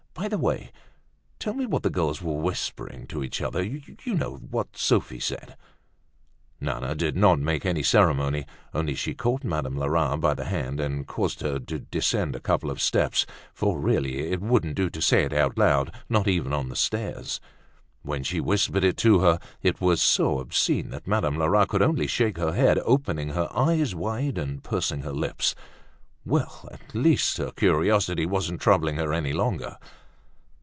"By the way, tell me what the girls were whispering to each other—you know, what Sophie said?" Nana did not make any ceremony. Only she caught Madame Lerat by the hand, and caused her to descend a couple of steps, for, really, it wouldn't do to say it aloud, not even on the stairs. When she whispered it to her, it was so obscene that Madame Lerat could only shake her head, opening her eyes wide, and pursing her lips. Well, at least her curiosity wasn't troubling her any longer.